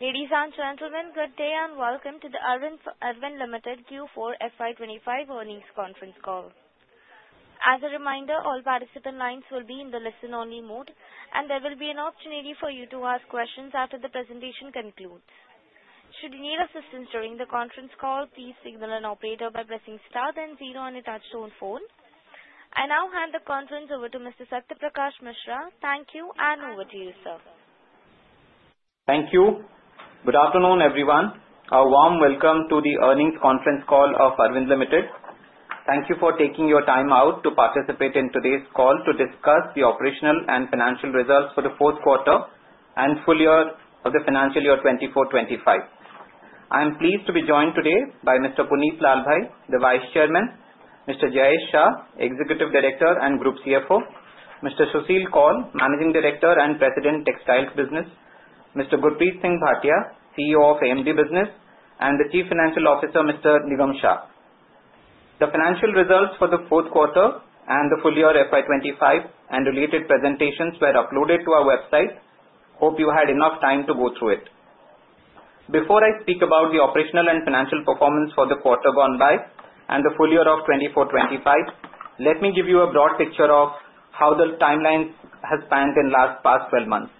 Ladies and gentlemen, good day and welcome to the Arvind Limited Q4 FY25 earnings conference call. As a reminder, all participant lines will be in the listen-only mode, and there will be an opportunity for you to ask questions after the presentation concludes. Should you need assistance during the conference call, please signal an operator by pressing star then zero on your touchtone phone. I now hand the conference over to Satya Prakash Mishra. Thank you, and over to you, sir. Thank you. Good afternoon, everyone. A warm welcome to the earnings conference call of Arvind Limited. Thank you for taking your time out to participate in today's call to discuss the operational and financial results for the Q4 and full year of the financial year 24-25. I am pleased to be joined today by Mr. Puneet Lalbhai, the Vice Chairman, Mr. Jayesh Shah, Executive Director and Group CFO, Mr. Susheel Kaul, Managing Director and President of Textile Business, Mr. Gurpreet Singh Bhatia, CEO of AMD Business, and the Chief Financial Officer, Mr. Nigam Shah. The financial results for the Q4 and the full year FY25 and related presentations were uploaded to our website. Hope you had enough time to go through it. Before I speak about the operational and financial performance for the quarter gone by and the full year of 2024-2025, let me give you a broad picture of how the timeline has spanned in the past 12 months.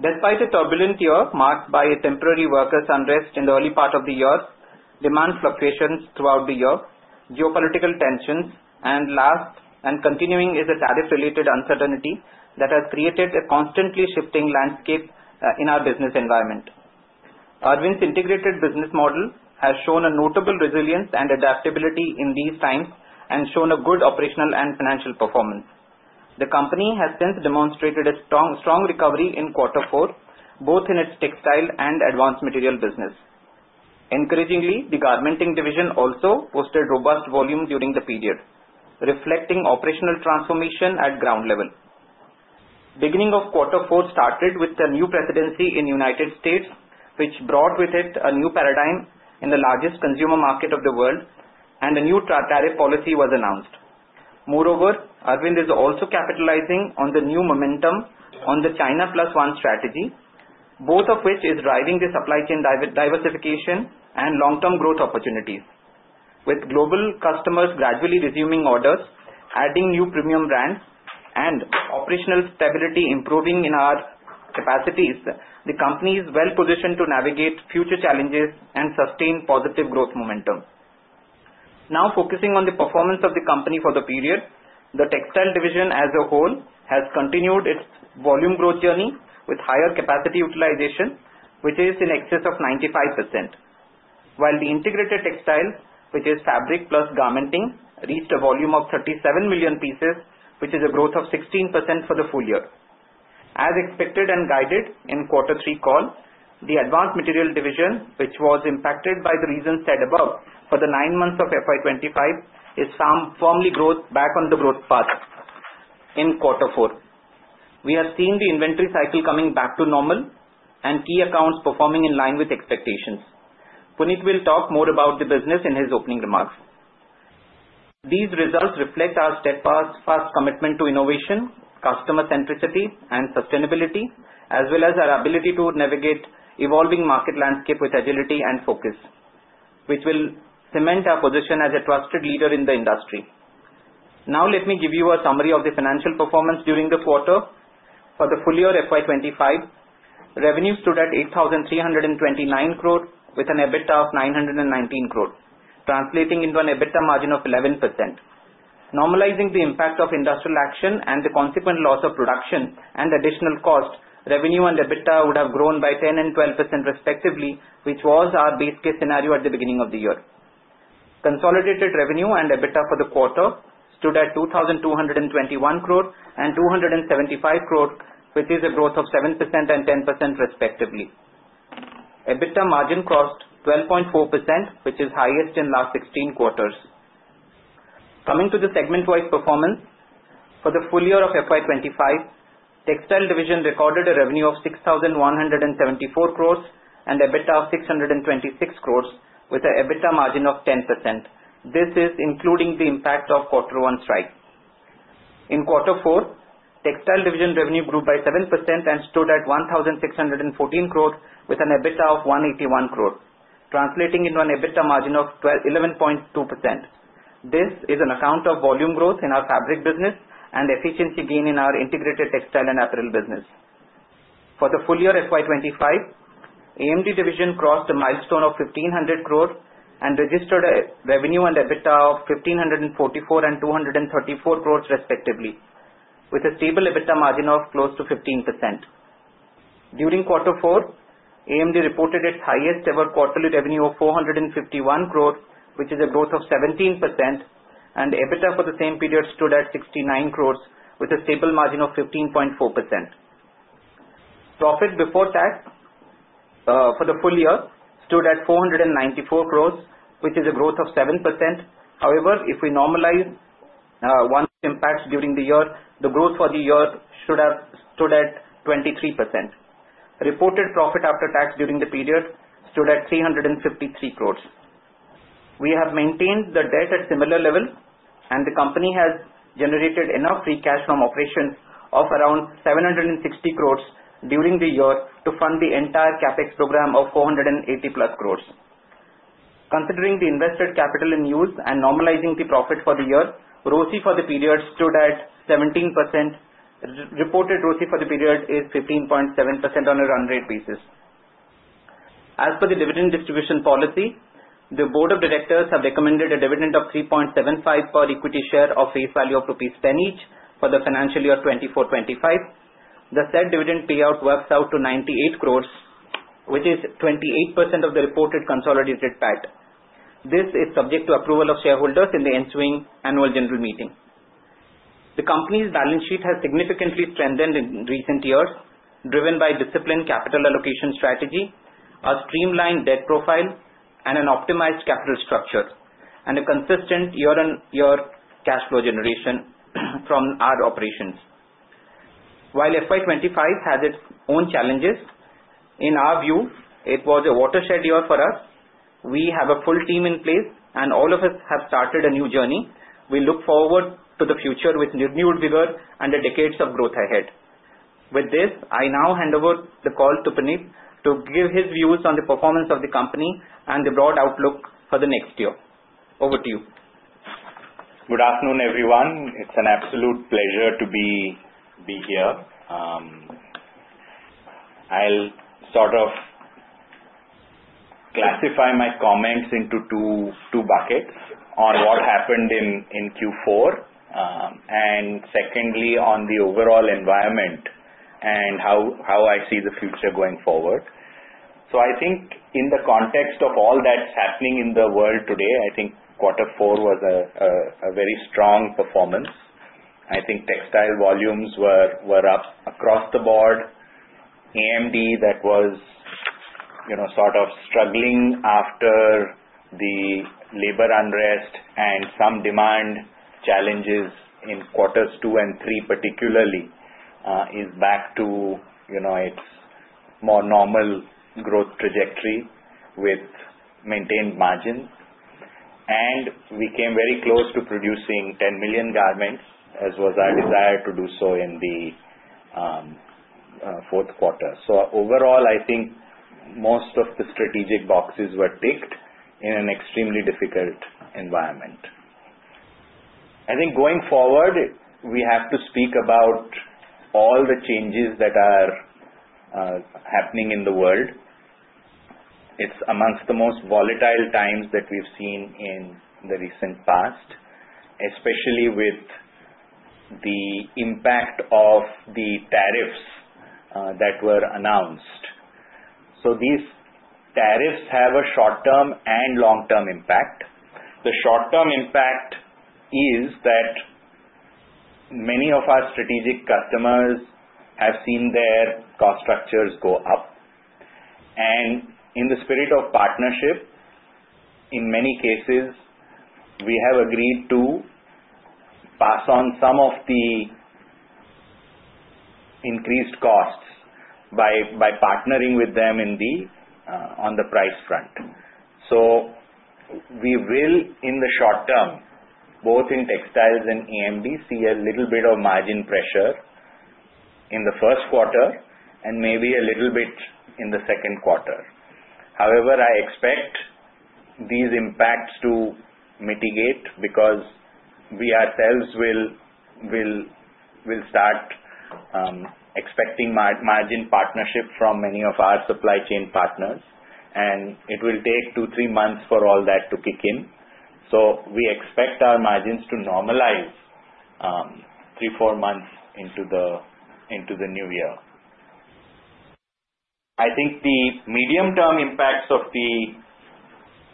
Despite a turbulent year marked by temporary workers' unrest in the early part of the year, demand fluctuations throughout the year, geopolitical tensions, and continuing tariff-related uncertainty that has created a constantly shifting landscape in our business environment, Arvind's integrated business model has shown notable resilience and adaptability, delivering strong operational and financial performance. The company has since demonstrated a strong recovery in Q4, both in its textile and advanced material business. Encouragingly, the garmenting division also posted robust volume during the period, reflecting operational transformation at ground level. The beginning of Q4 started with the new presidency in the United States, which brought with it a new paradigm in the largest consumer market of the world, and a new tariff policy was announced. Moreover, Arvind is also capitalizing on the new momentum on the China Plus One strategy, both of which are driving the supply chain diversification and long-term growth opportunities. With global customers gradually resuming orders, adding new premium brands, and operational stability improving in our capacities, the company is well-positioned to navigate future challenges and sustain positive growth momentum. Now, focusing on the performance of the company for the period, the textile division as a whole has continued its volume growth journey with higher capacity utilization, which is in excess of 95%, while the integrated textiles, which is fabric plus garmenting, reached a volume of 37 million pieces, which is a growth of 16% for the full year. As expected and guided in Q3 call, the Advanced Materials Division, which was impacted by the reasons said above for the nine months of FY25, is firmly back on the growth path in Q4. We have seen the inventory cycle coming back to normal and key accounts performing in line with expectations. Puneet will talk more about the business in his opening remarks. These results reflect our steadfast commitment to innovation, customer centricity, and sustainability, as well as our ability to navigate the evolving market landscape with agility and focus, which will cement our position as a trusted leader in the industry. Now, let me give you a summary of the financial performance during the quarter. For the full year FY25, revenues stood at 8,329 crore with an EBITDA of 919 crore, translating into an EBITDA margin of 11%. Normalizing the impact of industrial action and the consequent loss of production and additional cost, revenue and EBITDA would have grown by 10% and 12% respectively, which was our base case scenario at the beginning of the year. Consolidated revenue and EBITDA for the quarter stood at 2,221 crore and 275 crore, which is a growth of 7% and 10% respectively. EBITDA margin crossed 12.4%, which is highest in the last 16 quarters. Coming to the segment-wise performance, for the full year of FY25, the textile division recorded a revenue of 6,174 crore and an EBITDA of 626 crore, with an EBITDA margin of 10%. This is including the impact of Q1 strikes. In Q4, the textile division revenue grew by 7% and stood at 1,614 crore, with an EBITDA of 181 crore, translating into an EBITDA margin of 11.2%. This is an account of volume growth in our fabric business and efficiency gain in our integrated textile and apparel business. For the full year FY25, the AMD division crossed a milestone of 1,500 crore and registered a revenue and EBITDA of 1,544 and 234 crore respectively, with a stable EBITDA margin of close to 15%. During Q4, AMD reported its highest-ever quarterly revenue of 451 crore, which is a growth of 17%, and EBITDA for the same period stood at 69 crore, with a stable margin of 15.4%. Profit before tax for the full year stood at 494 crore, which is a growth of 7%. However, if we normalize one-off's impact during the year, the growth for the year should have stood at 23%. Reported profit after tax during the period stood at 353 crore. We have maintained the debt at a similar level, and the company has generated enough free cash from operations of around 760 crore during the year to fund the entire CapEx program of 480 crore-plus. Considering the invested capital in use and normalizing the profit for the year, gross ROE for the period stood at 17%. Reported gross margin for the period is 15.7% on a run rate basis. As per the dividend distribution policy, the board of directors have recommended a dividend of 3.75 per equity share of face value of rupees 10 each for the financial year 2024-25. The said dividend payout works out to 98 crore, which is 28% of the reported consolidated PAT. This is subject to approval of shareholders in the ensuing annual general meeting. The company's balance sheet has significantly strengthened in recent years, driven by a disciplined capital allocation strategy, a streamlined debt profile, and an optimized capital structure, and a consistent year-on-year cash flow generation from our operations. While FY25 has its own challenges, in our view, it was a watershed year for us. We have a full team in place, and all of us have started a new journey. We look forward to the future with renewed vigor and decades of growth ahead. With this, I now hand over the call to Puneet to give his views on the performance of the company and the broad outlook for the next year. Over to you. Good afternoon, everyone. It's an absolute pleasure to be here. I'll sort of classify my comments into two buckets: on what happened in Q4, and secondly, on the overall environment and how I see the future going forward. So I think in the context of all that's happening in the world today, I think Q4 was a very strong performance. I think textile volumes were up across the board. AMD that was sort of struggling after the labor unrest and some demand challenges in quarters two and three, particularly, is back to its more normal growth trajectory with maintained margins, and we came very close to producing 10 million garments, as was our desire to do so in the Q4, so overall, I think most of the strategic boxes were ticked in an extremely difficult environment. I think going forward, we have to speak about all the changes that are happening in the world. It's amongst the most volatile times that we've seen in the recent past, especially with the impact of the tariffs that were announced. So these tariffs have a short-term and long-term impact. The short-term impact is that many of our strategic customers have seen their cost structures go up. And in the spirit of partnership, in many cases, we have agreed to pass on some of the increased costs by partnering with them on the price front. So we will, in the short term, both in textiles and AMD, see a little bit of margin pressure in the Q1 and maybe a little bit in the Q2. However, I expect these impacts to mitigate because we ourselves will start expecting margin partnership from many of our supply chain partners, and it will take two, three months for all that to kick in, so we expect our margins to normalize three, four months into the new year. I think the medium-term impacts of the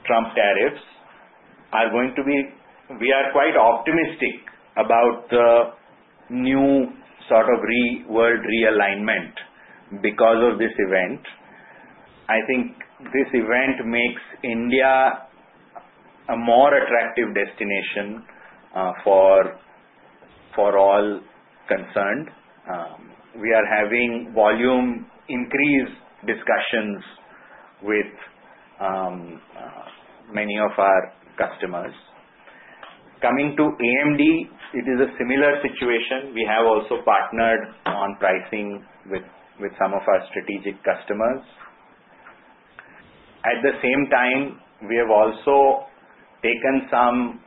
Trump tariffs are going to be. We are quite optimistic about the new sort of world realignment because of this event. I think this event makes India a more attractive destination for all concerned. We are having volume increase discussions with many of our customers. Coming to AMD, it is a similar situation. We have also partnered on pricing with some of our strategic customers. At the same time, we have also taken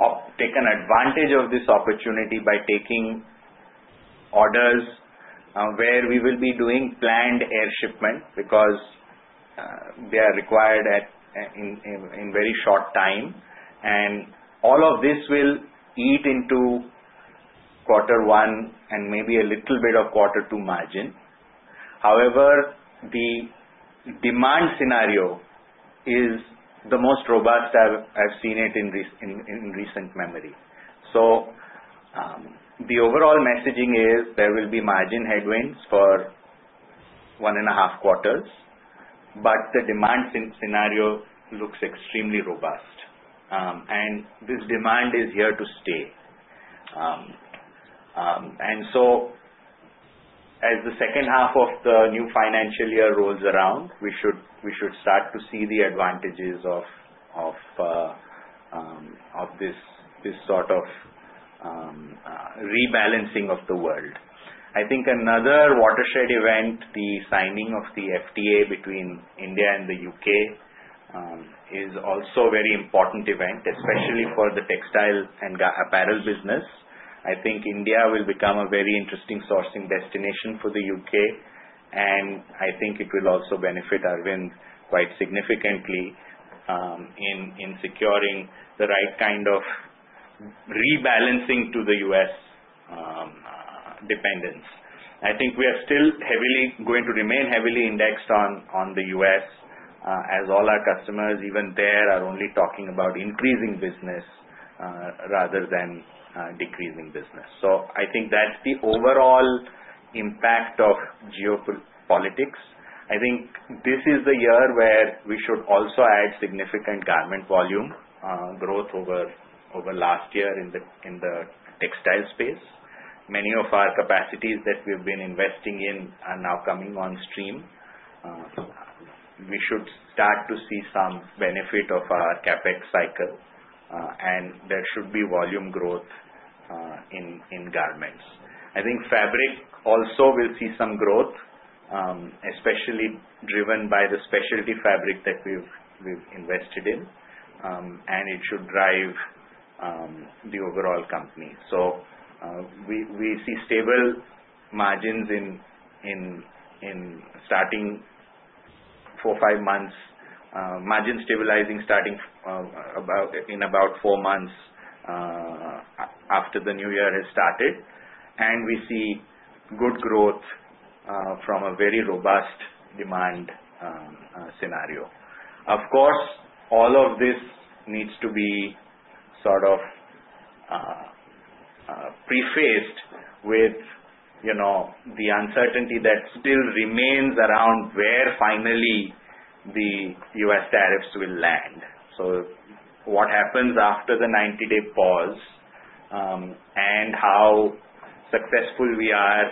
advantage of this opportunity by taking orders where we will be doing planned air shipment because they are required in very short time. And all of this will eat into Q1 and maybe a little bit of Q2 margin. However, the demand scenario is the most robust I've seen it in recent memory. So the overall messaging is there will be margin headwinds for one and a half quarters, but the demand scenario looks extremely robust, and this demand is here to stay. And so as the second half of the new financial year rolls around, we should start to see the advantages of this sort of rebalancing of the world. I think another watershed event, the signing of the FTA between India and the U.K., is also a very important event, especially for the textile and apparel business. I think India will become a very interesting sourcing destination for the UK., and I think it will also benefit Arvind quite significantly in securing the right kind of rebalancing to the US. dependence. I think we are still heavily going to remain heavily indexed on the US., as all our customers, even there, are only talking about increasing business rather than decreasing business. So I think that's the overall impact of geopolitics. I think this is the year where we should also add significant garment volume growth over last year in the textile space. Many of our capacities that we've been investing in are now coming on stream. We should start to see some benefit of our CapEx cycle, and there should be volume growth in garments. I think fabric also will see some growth, especially driven by the specialty fabric that we've invested in, and it should drive the overall company. So we see stable margins in starting four, five months, margin stabilizing in about four months after the new year has started, and we see good growth from a very robust demand scenario. Of course, all of this needs to be sort of prefaced with the uncertainty that still remains around where finally the US. tariffs will land. So what happens after the 90-day pause and how successful we are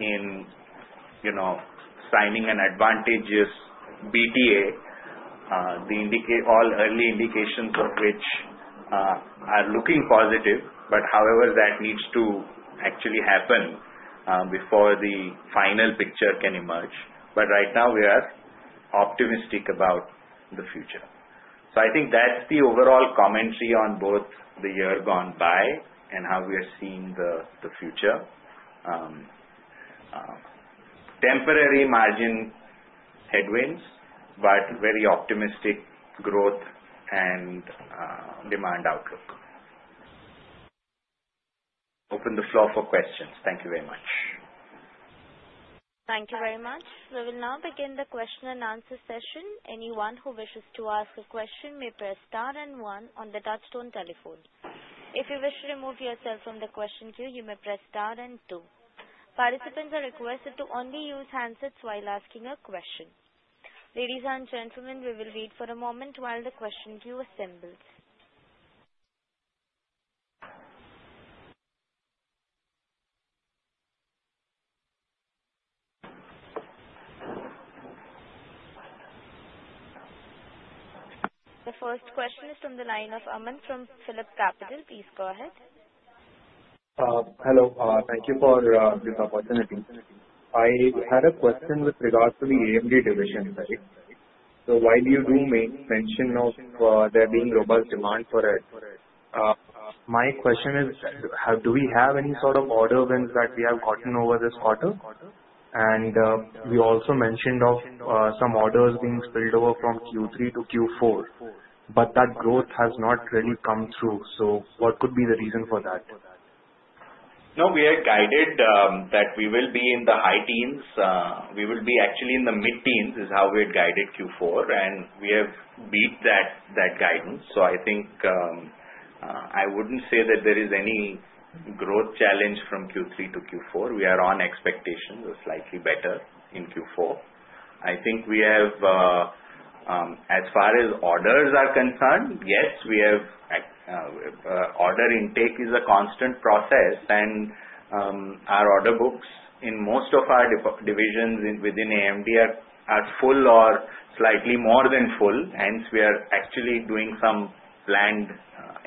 in signing an advantageous BTA, all early indications of which are looking positive, but however, that needs to actually happen before the final picture can emerge. But right now, we are optimistic about the future. So I think that's the overall commentary on both the year gone by and how we are seeing the future. Temporary margin headwinds, but very optimistic growth and demand outlook. Open the floor for questions. Thank you very much. Thank you very much. We will now begin the question and answer session. Anyone who wishes to ask a question may press star and one on the touch-tone telephone. If you wish to remove yourself from the question queue, you may press star and two. Participants are requested to only use handsets while asking a question. Ladies and gentlemen, we will wait for a moment while the question queue assembles. The first question is from the line of Aman from Phillip Capital. Please go ahead. Hello. Thank you for this opportunity. I had a question with regards to the AMD division, right? So why do you do mention of there being robust demand for it? My question is, do we have any sort of order when we have gotten over this quarter? And you also mentioned of some orders being spilled over from Q3 to Q4, but that growth has not really come through. So what could be the reason for that? No, we are guided that we will be in the high teens. We will be actually in the mid-teens is how we had guided Q4, and we have beat that guidance. So I think I wouldn't say that there is any growth challenge from Q3 to Q4. We are on expectations of slightly better in Q4. I think we have, as far as orders are concerned, yes, we have order intake is a constant process, and our order books in most of our divisions within AMD are full or slightly more than full. Hence, we are actually doing some planned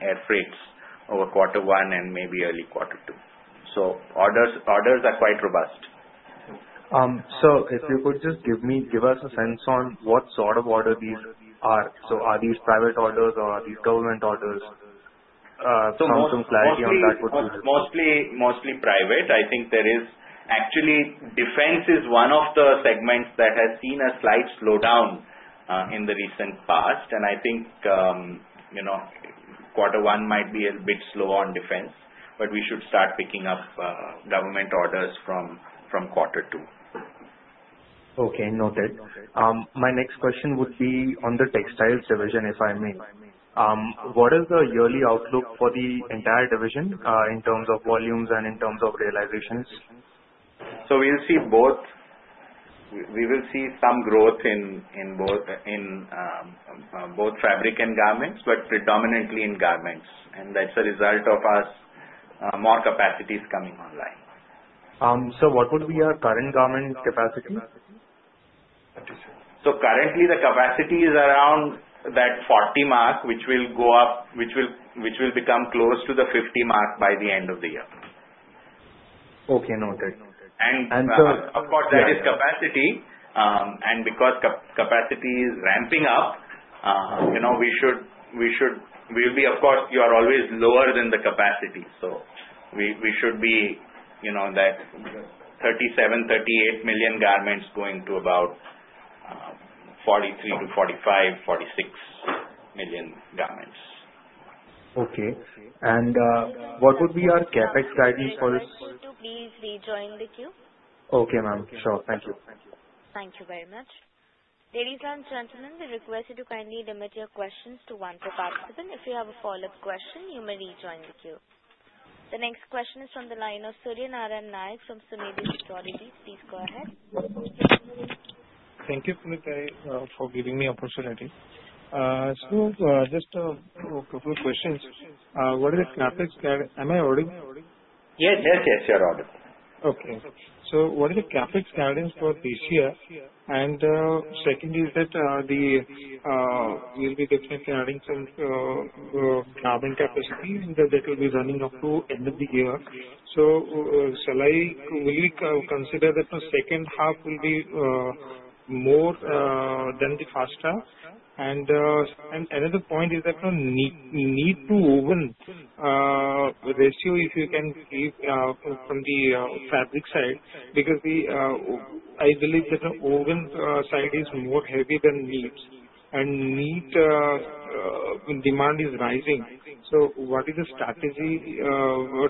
air freights over Q1 and maybe early Q2. So orders are quite robust. If you could just give us a sense on what sort of order these are. Are these private orders or are these government orders? Some clarity on that would be helpful. Mostly private. I think there is actually defense is one of the segments that has seen a slight slowdown in the recent past, and I think Q1 might be a bit slow on defense, but we should start picking up government orders from Q2. Okay. Noted. My next question would be on the textiles division, if I may. What is the yearly outlook for the entire division in terms of volumes and in terms of realizations? So we will see both. We will see some growth in both fabric and garments, but predominantly in garments. And that's a result of us more capacities coming online. So what would be your current garment capacity? So currently, the capacity is around that 40 mark, which will go up, which will become close to the 50 mark by the end of the year. Okay. Noted, and so. Of course, that is capacity. Because capacity is ramping up, we should be, of course. You are always lower than the capacity, so we should be that 37-38 million garments going to about 43-45, 46 million garments. Okay, and what would be your CapEx guidance for this? Please rejoin the queue. Okay, ma'am. Sure. Thank you. Thank you very much. Ladies and gentlemen, we request you to kindly limit your questions to one per participant. If you have a follow-up question, you may rejoin the queue. The next question is from the line of Suryanarayanan from Sunidhi Securities. Please go ahead. Thank you for giving me the opportunity. So just a couple of questions. What is the CapEx? Am I auditing? Yes, yes, yes, you're auditing. Okay. So what is the CapEx guidance for this year? And second is that we'll be definitely adding some carbon capacity that will be running up to end of the year. So shall I consider that the second half will be more than the first half? And another point is that the knit to woven ratio, if you can speak from the fabric side, because I believe that the woven side is more heavy than knits, and knit demand is rising. So what is the strategy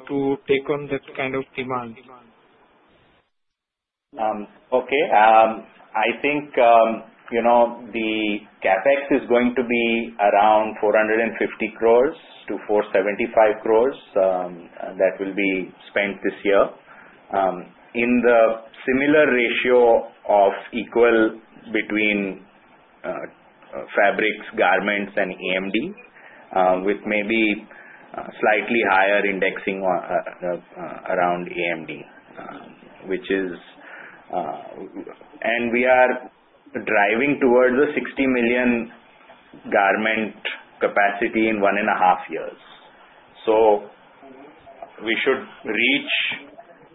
to take on that kind of demand? Okay. I think the CapEx is going to be around 450-475 crores that will be spent this year in the similar ratio of equal between fabrics, garments, and AMD, with maybe slightly higher indexing around AMD, which is, and we are driving towards the 60 million garment capacity in one and a half years. So we should reach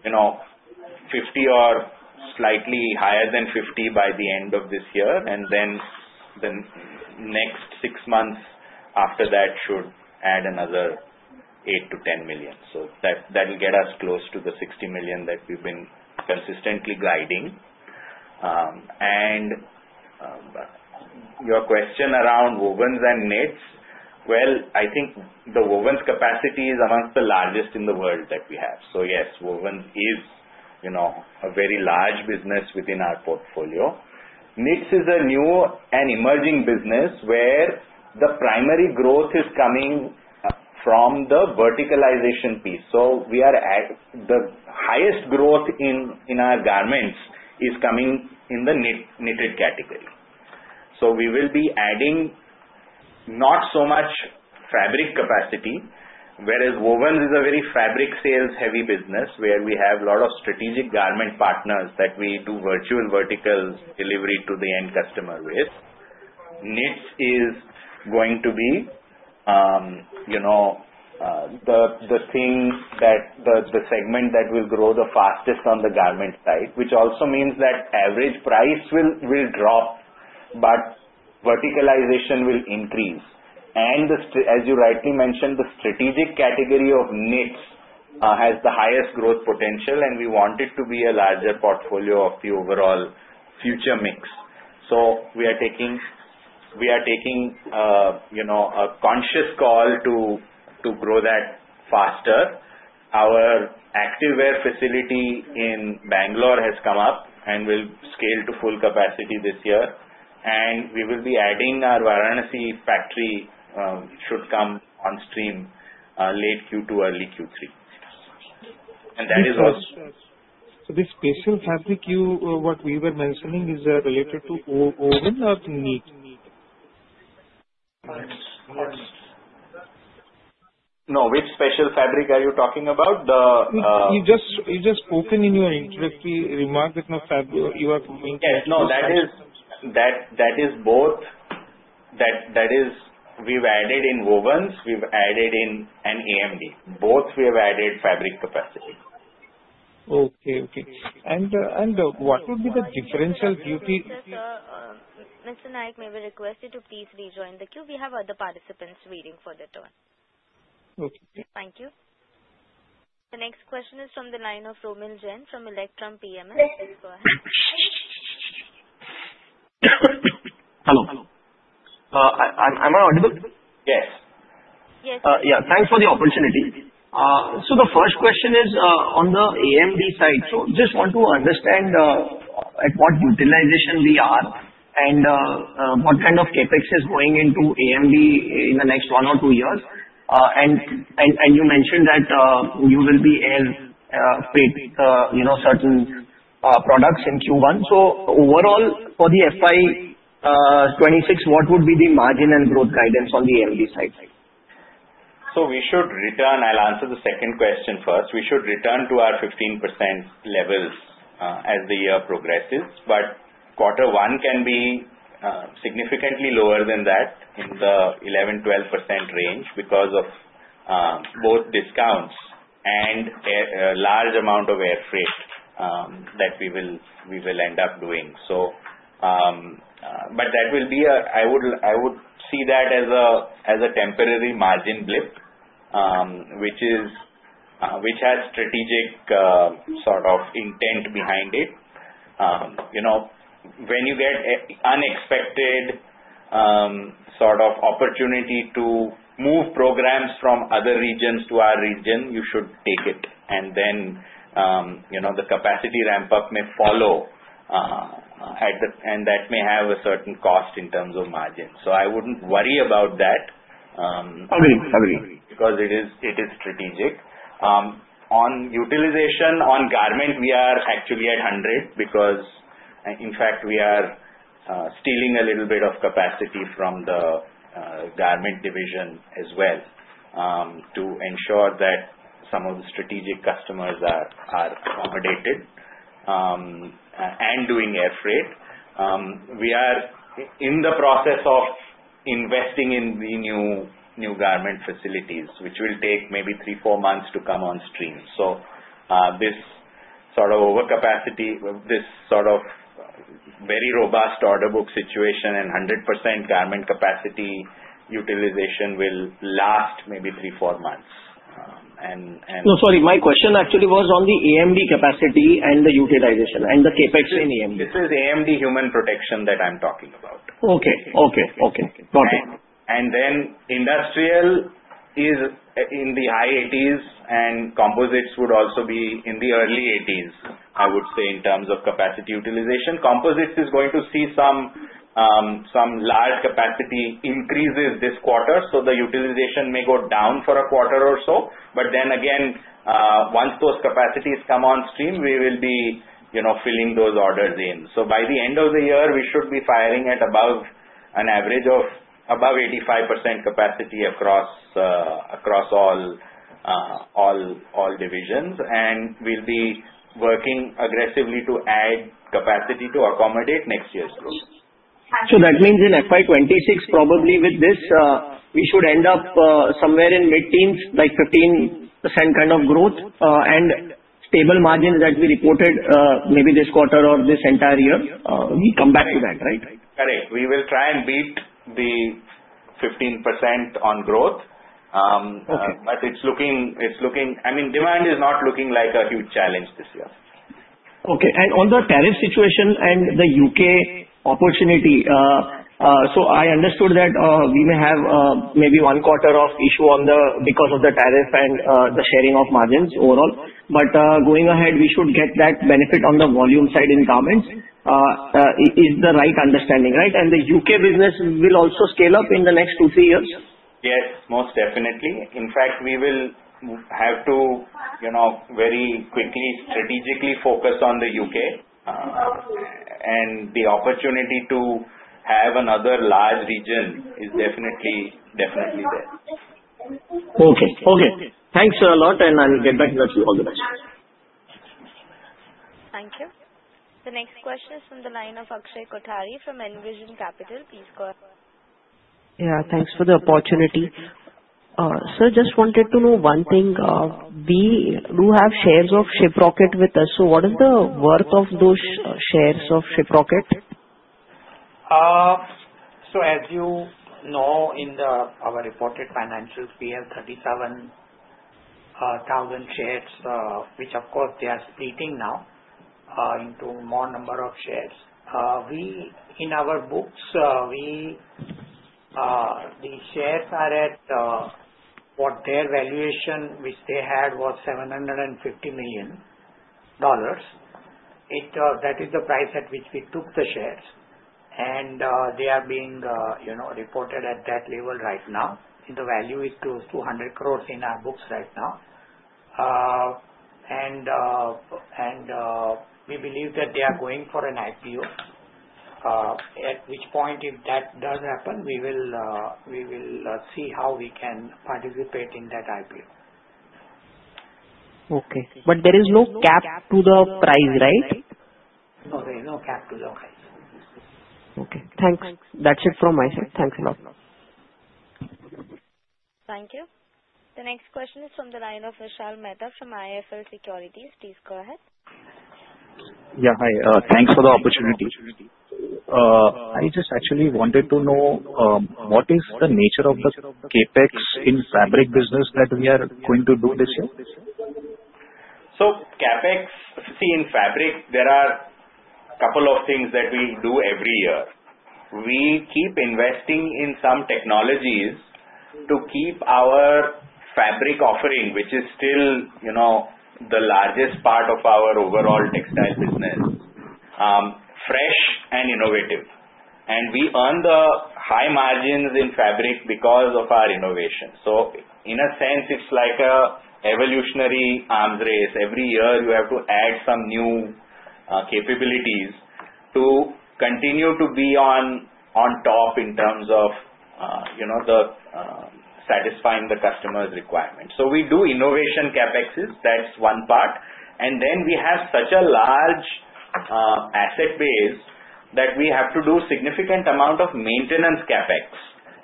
50 or slightly higher than 50 by the end of this year, and then the next six months after that should add another 8-10 million. So that will get us close to the 60 million that we've been consistently guiding. And your question around wovens and knits, well, I think the wovens capacity is amongst the largest in the world that we have. So yes, woven is a very large business within our portfolio. Knits is a new and emerging business where the primary growth is coming from the verticalization piece. So we are at the highest growth in our garments is coming in the knitted category. So we will be adding not so much fabric capacity, whereas wovens is a very fabric sales-heavy business where we have a lot of strategic garment partners that we do virtual vertical delivery to the end customer with. Knits is going to be the thing, the segment that will grow the fastest on the garment side, which also means that average price will drop, but verticalization will increase. And as you rightly mentioned, the strategic category of knits has the highest growth potential, and we want it to be a larger portfolio of the overall future mix. So we are taking a conscious call to grow that faster. Our active wear facility in Bangalore has come up and will scale to full capacity this year, and we will be adding our Varanasi factory should come on stream late Q2, early Q3, and that is also. This special fabric, what we were mentioning, is related to woven or knit? No, which special fabric are you talking about? You just spoke in your introductory remark that you are coming to? Yeah. No, that is both. That is, we've added in wovens, we've added in AMD. Both we have added fabric capacity. What would be the differential duty? Mr. Nayak may be requested to please rejoin the queue. We have other participants waiting for their turn. Thank you. The next question is from the line of Romil Jain from Electrum PMS. Please go ahead. Hello. I'm audible? Yes. Yes. Yeah. Thanks for the opportunity. So the first question is on the AMD side. So just want to understand at what utilization we are and what kind of CapEx is going into AMD in the next one or two years. And you mentioned that you will be air freight certain products in Q1. So overall, for the FY 2026, what would be the margin and growth guidance on the AMD side? So we should return. I'll answer the second question first. We should return to our 15% levels as the year progresses, but Q1 can be significantly lower than that in the 11-12% range because of both discounts and a large amount of air freight that we will end up doing. But that will be and I would see that as a temporary margin blip, which has strategic sort of intent behind it. When you get unexpected sort of opportunity to move programs from other regions to our region, you should take it, and then the capacity ramp-up may follow, and that may have a certain cost in terms of margin, so I wouldn't worry about that. Agreed. Agreed. Because it is strategic. On utilization on garment, we are actually at 100% because, in fact, we are stealing a little bit of capacity from the garment division as well to ensure that some of the strategic customers are accommodated and doing air freight. We are in the process of investing in new garment facilities, which will take maybe three, four months to come on stream. So this sort of overcapacity, this sort of very robust order book situation and 100% garment capacity utilization will last maybe three, four months. And. No, sorry. My question actually was on the AMD capacity and the utilization and the CapEx in AMD. This is AMD human protection that I'm talking about. Okay. Got it. And then industrial is in the high 80s, and composites would also be in the early 80s, I would say, in terms of capacity utilization. Composites is going to see some large capacity increases this quarter. So the utilization may go down for a quarter or so. But then again, once those capacities come on stream, we will be filling those orders in. So by the end of the year, we should be firing at above an average of above 85% capacity across all divisions. And we'll be working aggressively to add capacity to accommodate next year's growth. So that means in FY 26, probably with this, we should end up somewhere in mid-teens, like 15% kind of growth and stable margins that we reported maybe this quarter or this entire year. We come back to that, right? Correct. We will try and beat the 15% on growth. But it's looking, I mean, demand is not looking like a huge challenge this year. Okay. And on the tariff situation and the UK opportunity, so I understood that we may have maybe one quarter of issue because of the tariff and the sharing of margins overall. But going ahead, we should get that benefit on the volume side in garments. Is the right understanding, right? And the UK business will also scale up in the next two, three years? Yes, most definitely. In fact, we will have to very quickly strategically focus on the U.K., and the opportunity to have another large region is definitely there. Okay. Okay. Thanks a lot, and I'll get back to you for the rest. Thank you. The next question is from the line of Akshay Kothari from Envision Capital. Please go ahead. Yeah. Thanks for the opportunity. Sir, just wanted to know one thing. We do have shares of Shiprocket with us. So what is the worth of those shares of Shiprocket? As you know, in our reported financials, we have 37,000 shares, which of course they are splitting now into more number of shares. In our books, the shares are at what their valuation, which they had, was $750 million. That is the price at which we took the shares. They are being reported at that level right now. The value is close to 100 crore in our books right now. We believe that they are going for an IPO. At which point, if that does happen, we will see how we can participate in that IPO. Okay, but there is no cap to the price, right? No, there is no cap to the price. Okay. Thanks. That's it from my side. Thanks a lot. Thank you. The next question is from the line of Uncertain from IIFL Securities. Please go ahead. Yeah. Hi. Thanks for the opportunity. I just actually wanted to know what is the nature of the CapEx in fabric business that we are going to do this year? So CapEx in fabric, there are a couple of things that we do every year. We keep investing in some technologies to keep our fabric offering, which is still the largest part of our overall textile business, fresh and innovative. And we earn the high margins in fabric because of our innovation. So in a sense, it's like an evolutionary arms race. Every year, you have to add some new capabilities to continue to be on top in terms of satisfying the customer's requirements. So we do innovation CapExes. That's one part. And then we have such a large asset base that we have to do significant amount of maintenance CapEx.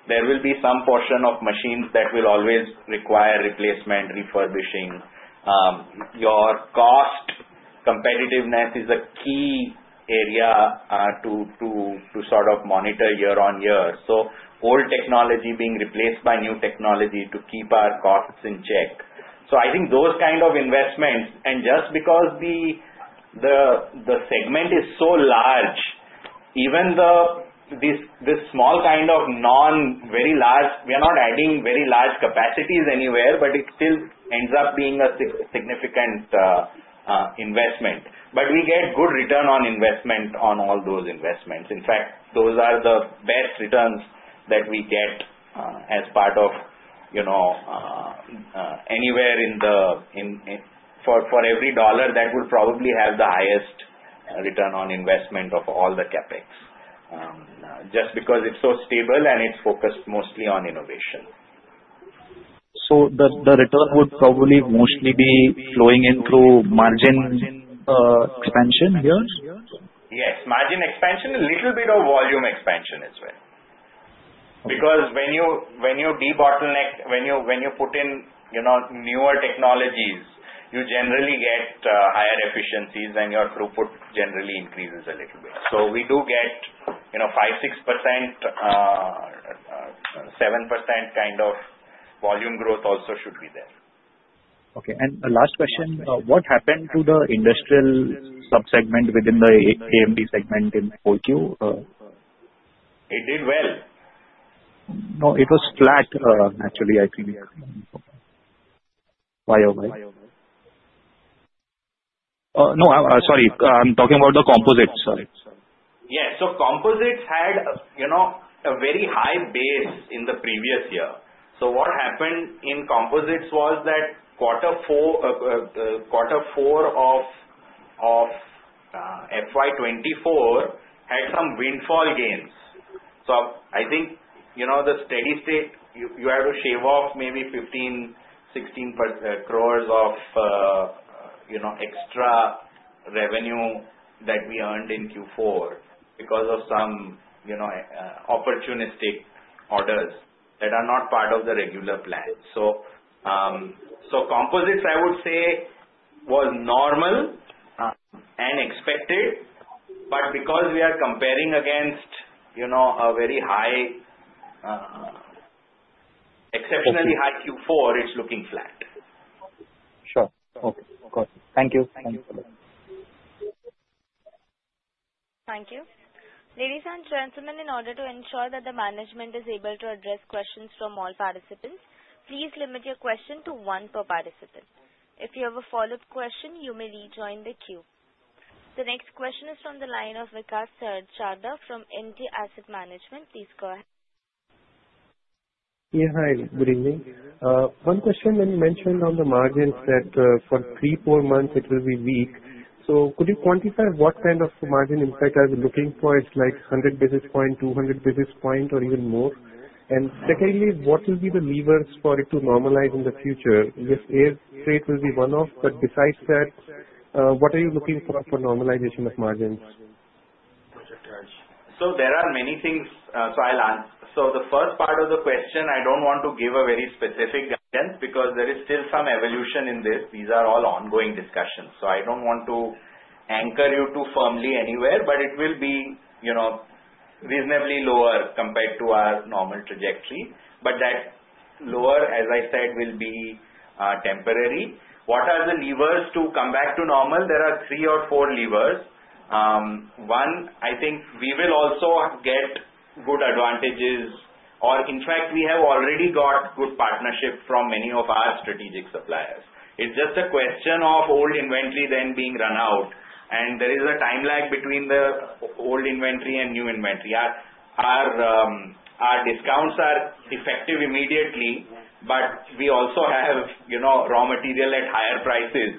There will be some portion of machines that will always require replacement, refurbishing. Your cost competitiveness is a key area to sort of monitor year on year. So old technology being replaced by new technology to keep our costs in check. So I think those kind of investments, and just because the segment is so large, even this small kind of non-very large, we are not adding very large capacities anywhere, but it still ends up being a significant investment. But we get good return on investment on all those investments. In fact, those are the best returns that we get as part of anywhere in the for every dollar, that will probably have the highest return on investment of all the CapEx just because it's so stable and it's focused mostly on innovation. So the return would probably mostly be flowing in through margin expansion here? Yes. Margin expansion, a little bit of volume expansion as well. Because when you de-bottleneck, when you put in newer technologies, you generally get higher efficiencies and your throughput generally increases a little bit. So we do get 5%, 6%, 7% kind of volume growth also should be there. Okay. And last question. What happened to the industrial subsegment within the AMD segment in Q4? It did well. No, it was flat, actually, I think. Why? No, sorry. I'm talking about the composites. Sorry. Yeah. So composites had a very high base in the previous year. So what happened in composites was that Q4 of FY 2024 had some windfall gains. So I think the steady state, you have to shave off maybe 15-16 crores of extra revenue that we earned in Q4 because of some opportunistic orders that are not part of the regular plan. So composites, I would say, was normal and expected. But because we are comparing against a very exceptionally high Q4, it's looking flat. Sure. Okay. Thank you. Thank you. Thank you. Ladies and gentlemen, in order to ensure that the management is able to address questions from all participants, please limit your question to one per participant. If you have a follow-up question, you may rejoin the queue. The next question is from the line of Vikas Chaturvedi from Antique Stock Broking. Please go ahead. Yeah. Hi. Good evening. One question. When you mentioned on the margins that for three, four months, it will be weak. So could you quantify what kind of margin impact are we looking for? It's like 100 basis points, 200 basis points, or even more. And secondly, what will be the levers for it to normalize in the future if air freight will be one-off? But besides that, what are you looking for for normalization of margins? So there are many things. So I'll answer. So the first part of the question, I don't want to give a very specific guidance because there is still some evolution in this. These are all ongoing discussions. So I don't want to anchor you too firmly anywhere, but it will be reasonably lower compared to our normal trajectory. But that lower, as I said, will be temporary. What are the levers to come back to normal? There are three or four levers. One, I think we will also get good advantages, or in fact, we have already got good partnership from many of our strategic suppliers. It's just a question of old inventory then being run out. And there is a time lag between the old inventory and new inventory. Our discounts are effective immediately, but we also have raw material at higher prices,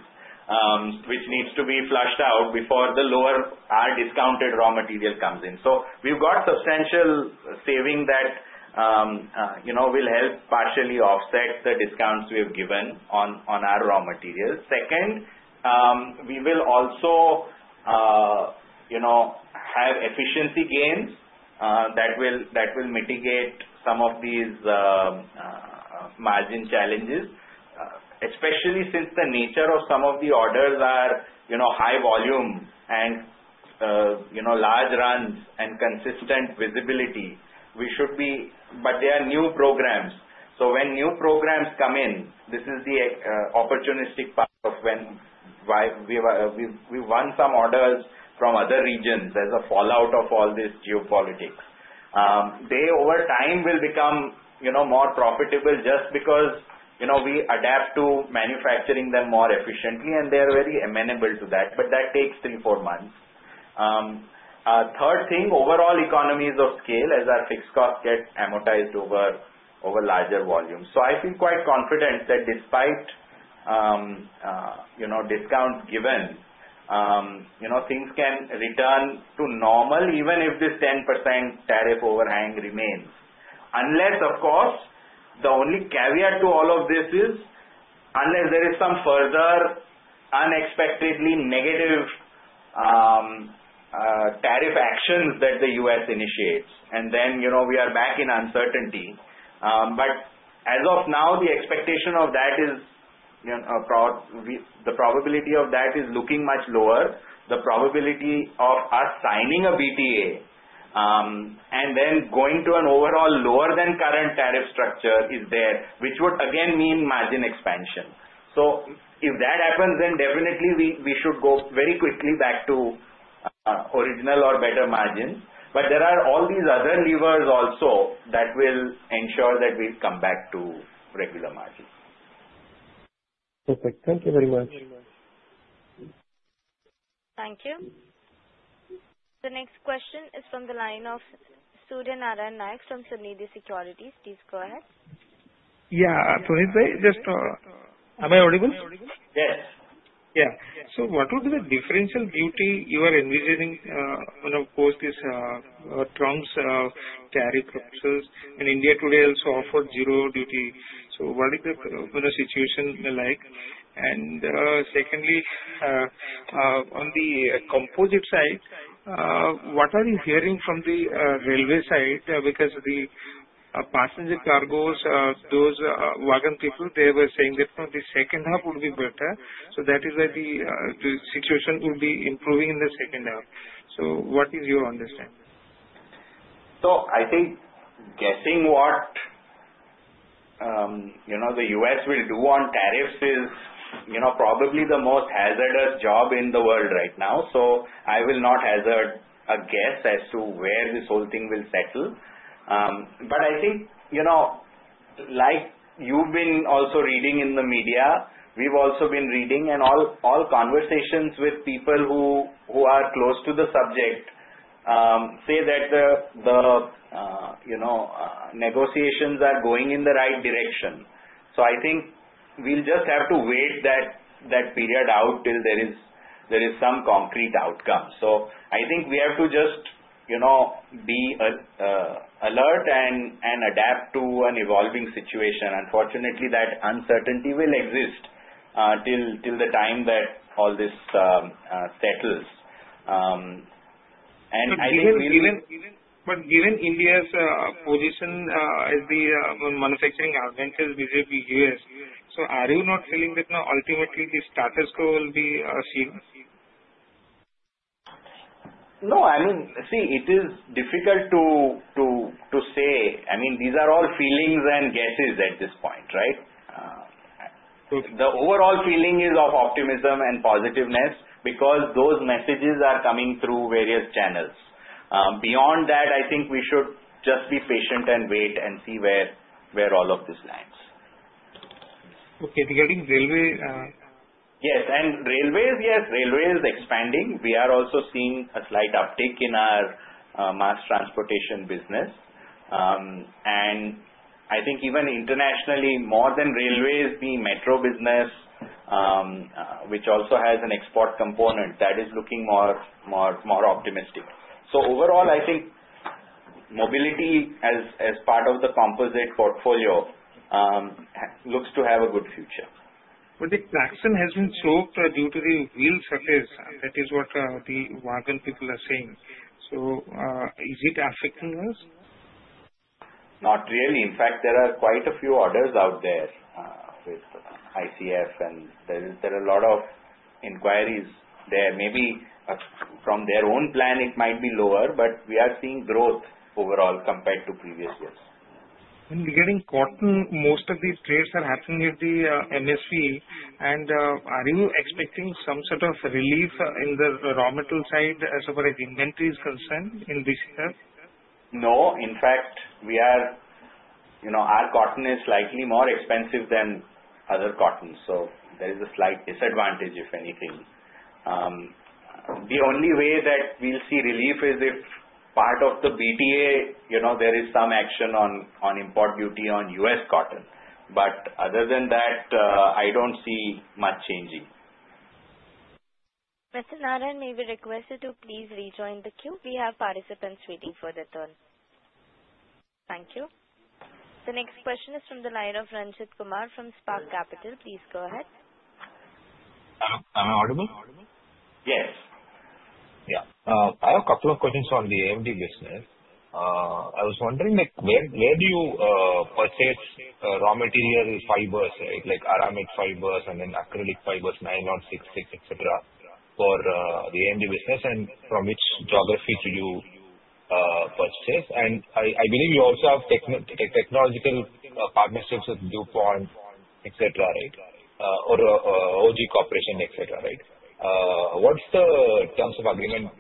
which needs to be flushed out before the lower discounted raw material comes in. So we've got substantial saving that will help partially offset the discounts we have given on our raw material. Second, we will also have efficiency gains that will mitigate some of these margin challenges, especially since the nature of some of the orders are high volume and large runs and consistent visibility. But there are new programs. So when new programs come in, this is the opportunistic part of when we've won some orders from other regions as a fallout of all this geopolitics. They, over time, will become more profitable just because we adapt to manufacturing them more efficiently, and they are very amenable to that. But that takes three, four months. Third thing, overall economies of scale as our fixed costs get amortized over larger volumes. So I feel quite confident that despite discounts given, things can return to normal even if this 10% tariff overhang remains. Unless, of course, the only caveat to all of this is unless there is some further unexpectedly negative tariff actions that the US. initiates, and then we are back in uncertainty, but as of now, the expectation of that is the probability of that is looking much lower. The probability of us signing a BTA and then going to an overall lower than current tariff structure is there, which would again mean margin expansion, so if that happens, then definitely we should go very quickly back to original or better margins, but there are all these other levers also that will ensure that we come back to regular margins. Perfect. Thank you very much. Thank you. The next question is from the line of Surya Narayan Nayak from Sunidhi Securities. Please go ahead. Yeah, so am I audible? Yes. Yeah. So what would be the differential duty you are envisioning when, of course, these Trump's tariff proposals? And India today also offered zero duty. So what is the situation like? And secondly, on the composite side, what are you hearing from the railway side? Because the passenger coaches, those wagon people, they were saying that the second half would be better. So that is why the situation will be improving in the second half. So what is your understanding? So I think guessing what the S. will do on tariffs is probably the most hazardous job in the world right now. So I will not hazard a guess as to where this whole thing will settle. But I think like you've been also reading in the media, we've also been reading, and all conversations with people who are close to the subject say that the negotiations are going in the right direction. So I think we'll just have to wait that period out till there is some concrete outcome. So I think we have to just be alert and adapt to an evolving situation. Unfortunately, that uncertainty will exist till the time that all this settles. And I think we'll. But given India's position as the manufacturing alternative is visible to the US., so are you not fearing that ultimately these tactics will be seen? No. I mean, see, it is difficult to say. I mean, these are all feelings and guesses at this point, right? The overall feeling is of optimism and positiveness because those messages are coming through various channels. Beyond that, I think we should just be patient and wait and see where all of this lands. Okay. Regarding railway. Yes. And railways, yes. Railway is expanding. We are also seeing a slight uptick in our mass transportation business. And I think even internationally, more than railways, the metro business, which also has an export component, that is looking more optimistic. So overall, I think mobility as part of the composite portfolio looks to have a good future. But the Texmaco has been slowed due to the wheel supply. That is what the wagon people are saying. So is it affecting us? Not really. In fact, there are quite a few orders out there with ICF, and there are a lot of inquiries there. Maybe from their own plan, it might be lower, but we are seeing growth overall compared to previous years. Regarding cotton, most of these trades are happening at the MSP. Are you expecting some sort of relief in the raw material side as far as inventory is concerned in this year? No. In fact, our cotton is slightly more expensive than other cotton. So there is a slight disadvantage, if anything. The only way that we'll see relief is if part of the BTA, there is some action on import duty on US. cotton. But other than that, I don't see much changing. Prasunaran, may we request you to please rejoin the queue? We have participants waiting for the turn. Thank you. The next question is from the line of Uncertain from Spark Capital. Please go ahead. I'm audible? Yes. Yeah. I have a couple of questions on the AMD business. I was wondering where do you purchase raw material fibers, like aramid fibers and then acrylic fibers, Nylon 66, etc., for the AMD business, and from which geography do you purchase? And I believe you also have technological partnerships with DuPont, etc., right? Or OG Corporation, etc., right? What's the terms of agreement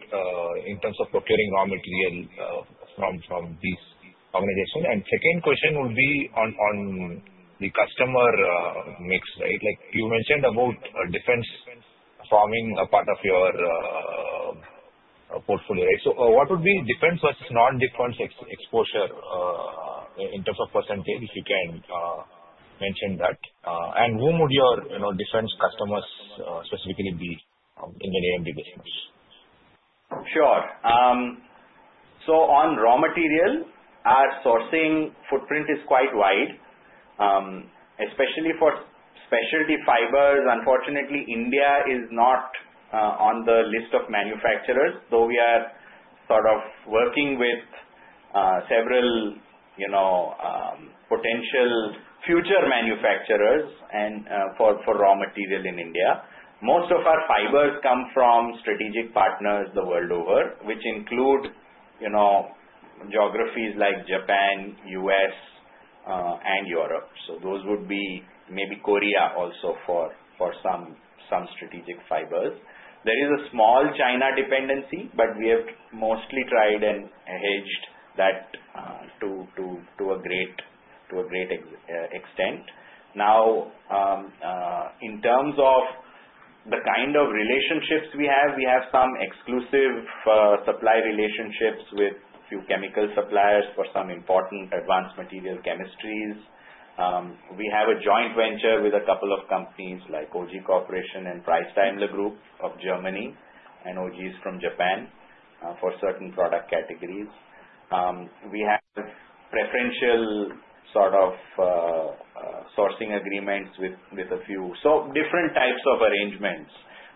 in terms of procuring raw material from these organizations? And second question would be on the customer mix, right? You mentioned about defense farming part of your portfolio, right? So what would be defense versus non-defense exposure in terms of percentage if you can mention that? And who would your defense customers specifically be in the AMD business? Sure. So on raw material, our sourcing footprint is quite wide, especially for specialty fibers. Unfortunately, India is not on the list of manufacturers, though we are sort of working with several potential future manufacturers for raw material in India. Most of our fibers come from strategic partners the world over, which include geographies like Japan, US., and Europe. So those would be maybe Korea also for some strategic fibers. There is a small China dependency, but we have mostly tried and hedged that to a great extent. Now, in terms of the kind of relationships we have, we have some exclusive supply relationships with a few chemical suppliers for some important advanced material chemistries. We have a joint venture with a couple of companies like OG Corporation and Preiss-Daimler Group of Germany and OG Corporation from Japan for certain product categories. We have preferential sort of sourcing agreements with a few. So different types of arrangements.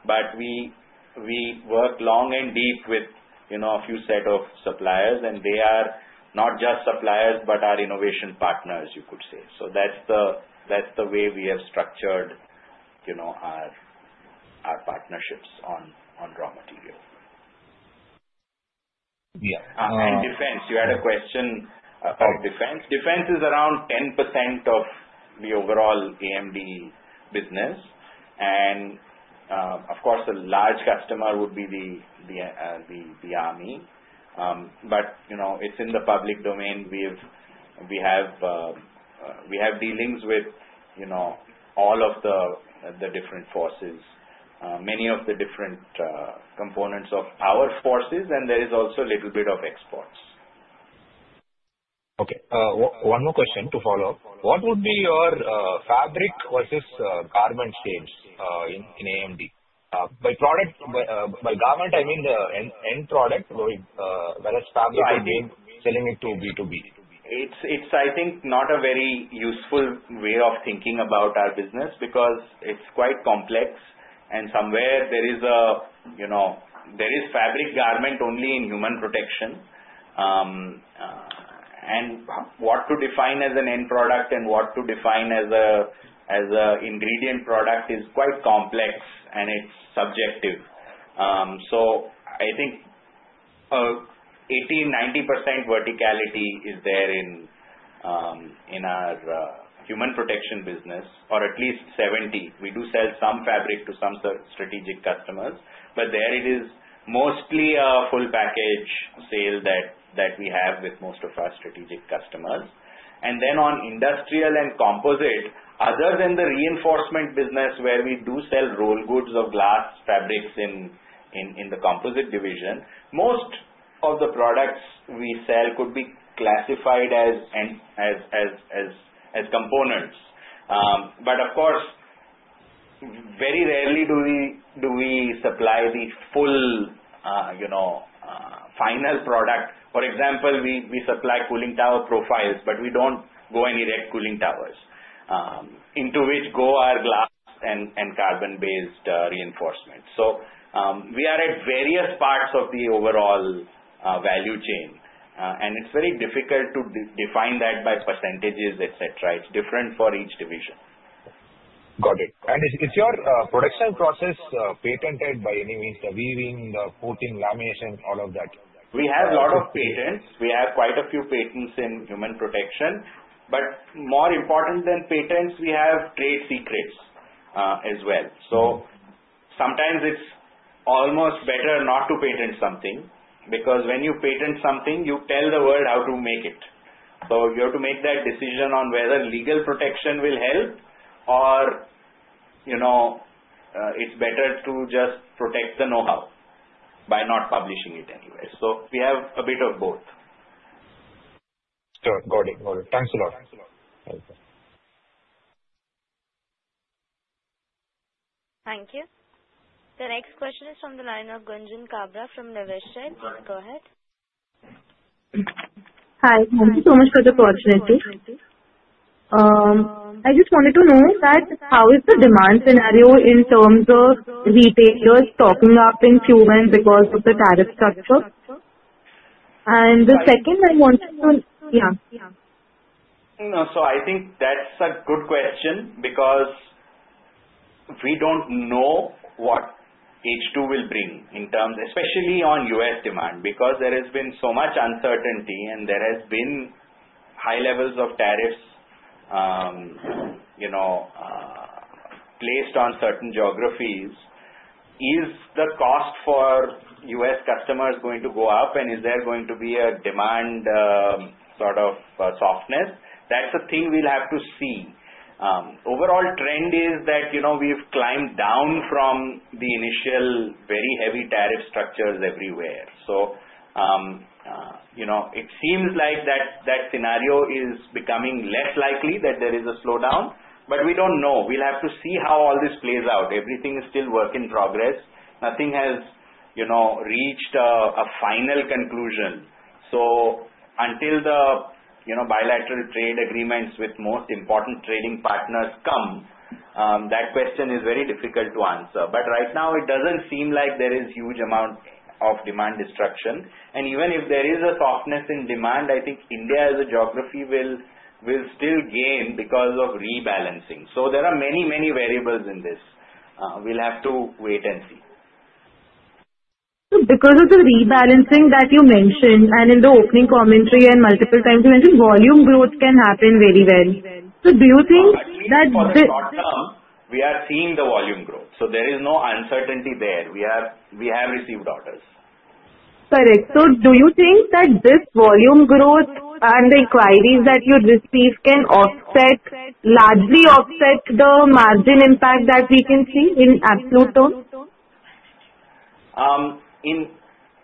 But we work long and deep with a few set of suppliers, and they are not just suppliers but our innovation partners, you could say. So that's the way we have structured our partnerships on raw material. Yeah. And defense. You had a question about defense? Defense is around 10% of the overall AMD business. And of course, a large customer would be the army. But it's in the public domain. We have dealings with all of the different forces, many of the different components of our forces, and there is also a little bit of exports. Okay. One more question to follow up. What would be your fabric versus garment change in AMD? By product, by garment, I mean the end product, whereas fabric, you're selling it to B2B. It's, I think, not a very useful way of thinking about our business because it's quite complex. And somewhere there is a fabric garment only in Human Protection. And what to define as an end product and what to define as an ingredient product is quite complex, and it's subjective. So I think 80%-90% verticality is there in our Human Protection business, or at least 70%. We do sell some fabric to some strategic customers, but there it is mostly a full package sale that we have with most of our strategic customers. And then on Industrials and Composites, other than the reinforcement business where we do sell roll goods of glass fabrics in the Composites division, most of the products we sell could be classified as components. But of course, very rarely do we supply the full final product. For example, we supply cooling tower profiles, but we don't go any further into cooling towers, into which go our glass and carbon-based reinforcement. So we are at various parts of the overall value chain, and it's very difficult to define that by percentages, etc. It's different for each division. Got it. And is your production process patented by any means? The weaving, the coating, lamination, all of that? We have a lot of patents. We have quite a few patents in human protection. But more important than patents, we have trade secrets as well. So sometimes it's almost better not to patent something because when you patent something, you tell the world how to make it. So you have to make that decision on whether legal protection will help or it's better to just protect the know-how by not publishing it anyway. So we have a bit of both. Got it. Got it. Thanks a lot. Thank you. The next question is from the line of Gunjan Kabra from Niveshaay. Go ahead. Hi. Thank you so much for the opportunity. I just wanted to know that how is the demand scenario in terms of retailers stocking up in Q1 because of the tariff structure? And the second, I wanted to. So I think that's a good question because we don't know what H2 will bring in terms, especially on US. demand, because there has been so much uncertainty and there have been high levels of tariffs placed on certain geographies. Is the cost for US. customers going to go up, and is there going to be a demand sort of softness? That's a thing we'll have to see. Overall trend is that we've climbed down from the initial very heavy tariff structures everywhere. So it seems like that scenario is becoming less likely that there is a slowdown, but we don't know. We'll have to see how all this plays out. Everything is still work in progress. Nothing has reached a final conclusion. So until the bilateral trade agreements with most important trading partners come, that question is very difficult to answer. Right now, it doesn't seem like there is a huge amount of demand destruction. Even if there is a softness in demand, I think India as a geography will still gain because of rebalancing. There are many, many variables in this. We'll have to wait and see. Because of the rebalancing that you mentioned, and in the opening commentary and multiple times you mentioned volume growth can happen very well. So do you think that? In the short term, we are seeing the volume growth, so there is no uncertainty there. We have received orders. Correct, so do you think that this volume growth and the inquiries that you receive can largely offset the margin impact that we can see in absolute terms?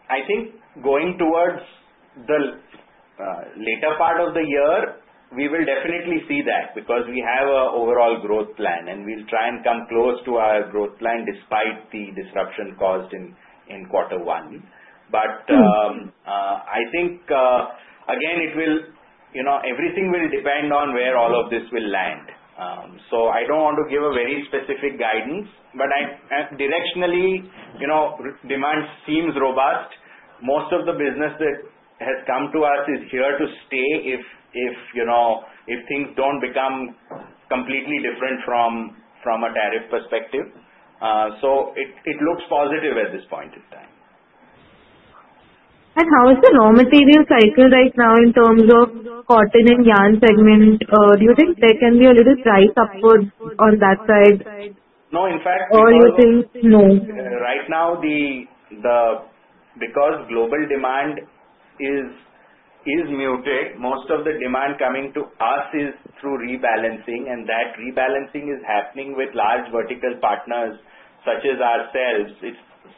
I think going towards the later part of the year, we will definitely see that because we have an overall growth plan, and we'll try and come close to our growth plan despite the disruption caused in Q1. But I think, again, it will depend on where all of this will land. So I don't want to give a very specific guidance, but directionally, demand seems robust. Most of the business that has come to us is here to stay if things don't become completely different from a tariff perspective. So it looks positive at this point in time. How is the raw material cycle right now in terms of cotton and yarn segment? Do you think there can be a little price upward on that side? No. In fact. Or you think no? Right now, because global demand is muted, most of the demand coming to us is through rebalancing, and that rebalancing is happening with large vertical partners such as ourselves.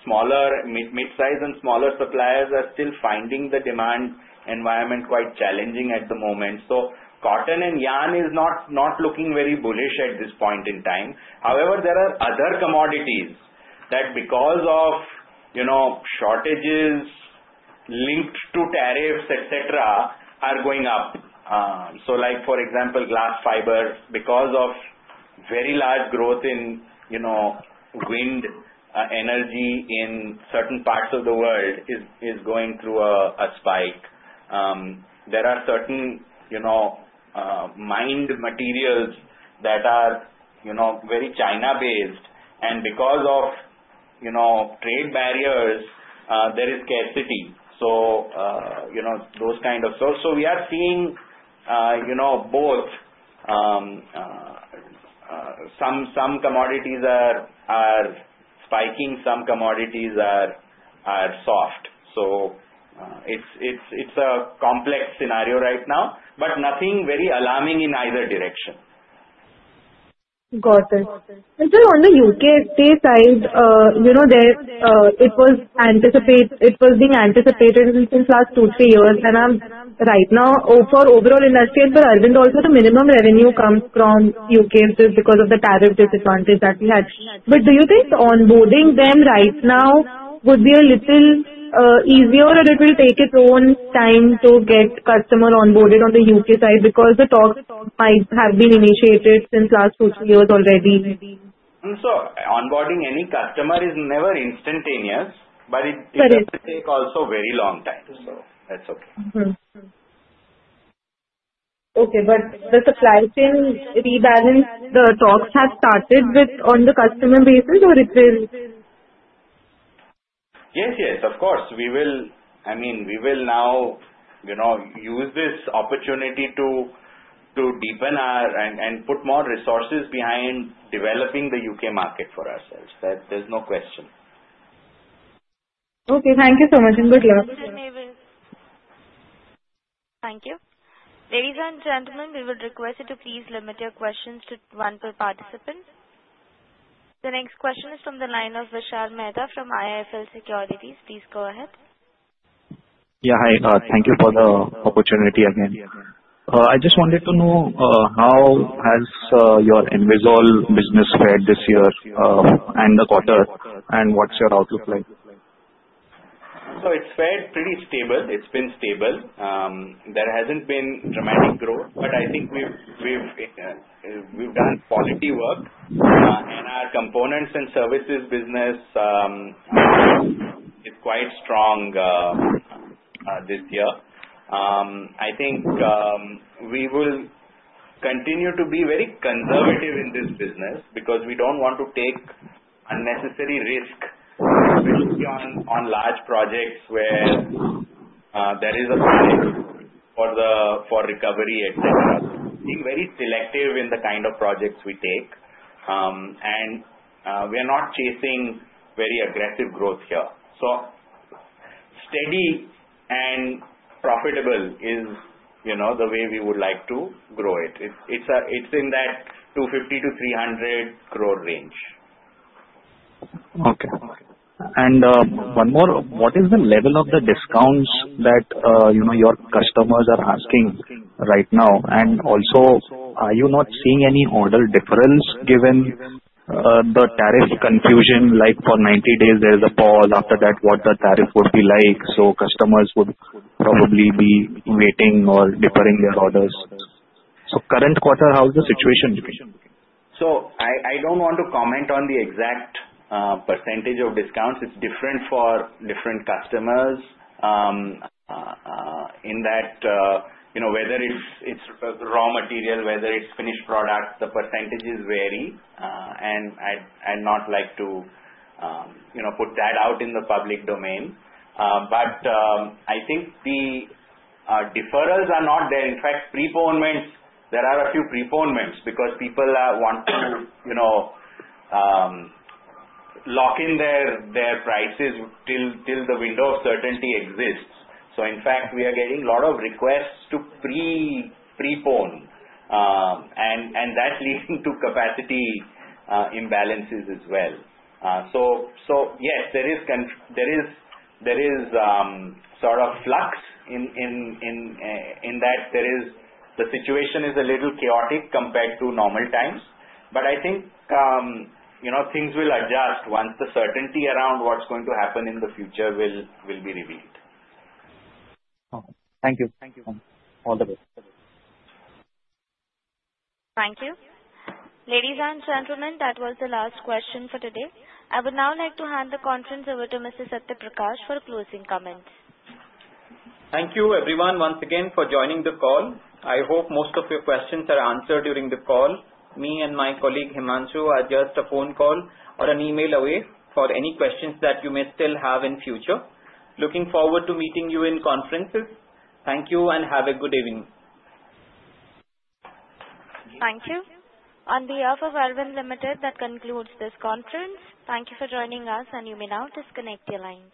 Smaller mid-size and smaller suppliers are still finding the demand environment quite challenging at the moment. So cotton and yarn is not looking very bullish at this point in time. However, there are other commodities that, because of shortages linked to tariffs, etc., are going up. So for example, glass fiber, because of very large growth in wind energy in certain parts of the world, is going through a spike. There are certain mined materials that are very China-based, and because of trade barriers, there is scarcity. So those kind of, we are seeing both. Some commodities are spiking. Some commodities are soft. So it's a complex scenario right now, but nothing very alarming in either direction. Got it. And so on the UKFT side, it was being anticipated since last two, three years. And right now, for overall industry, Arvind, also the minimum revenue comes from UKFT because of the tariff disadvantage that we had. But do you think onboarding them right now would be a little easier, or it will take its own time to get customers onboarded on the UK side because the talks might have been initiated since last two, three years already? So onboarding any customer is never instantaneous, but it will take also a very long time. So that's okay. Okay. But the supply chain rebalance, the talks have started on the customer basis, or it will? Yes, yes. Of course. I mean, we will now use this opportunity to deepen our and put more resources behind developing the UK market for ourselves. There's no question. Okay. Thank you so much, and good luck. Thank you. Ladies and gentlemen, we would request you to please limit your questions to one per participant. The next question is from the line of Vishal Mehta from IIFL Securities. Please go ahead. Yeah. Hi. Thank you for the opportunity again. I just wanted to know how has your Envisol business fared this year and the quarter, and what's your outlook like? It's fared pretty stable. It's been stable. There hasn't been dramatic growth, but I think we've done quality work, and our components and services business is quite strong this year. I think we will continue to be very conservative in this business because we don't want to take unnecessary risk, especially on large projects where there is a risk for recovery, etc. So being very selective in the kind of projects we take, and we are not chasing very aggressive growth here. So steady and profitable is the way we would like to grow it. It's in that 250-300 crore range. Okay, and one more. What is the level of the discounts that your customers are asking right now? And also, are you not seeing any order difference given the tariff confusion? Like for 90 days, there is a pause. After that, what the tariff would be like. So customers would probably be waiting or deferring their orders. So current quarter, how is the situation looking? So I don't want to comment on the exact percentage of discounts. It's different for different customers in that whether it's raw material, whether it's finished product, the percentages vary. And I'd not like to put that out in the public domain. But I think the deferrals are not there. In fact, preponements, there are a few preponements because people want to lock in their prices till the window of certainty exists. So in fact, we are getting a lot of requests to prepone, and that's leading to capacity imbalances as well. So yes, there is sort of flux in that. The situation is a little chaotic compared to normal times, but I think things will adjust once the certainty around what's going to happen in the future will be revealed. Thank you. Thank you. All the best. Thank you. Ladies and gentlemen, that was the last question for today. I would now like to hand the conference over to Mr. Satyaprakash for closing comments. Thank you, everyone, once again, for joining the call. I hope most of your questions are answered during the call. Me and my colleague, Himanshu, are just a phone call or an email away for any questions that you may still have in future. Looking forward to meeting you in conferences. Thank you, and have a good evening. Thank you. On behalf of Arvind Limited, that concludes this conference. Thank you for joining us, and you may now disconnect the line.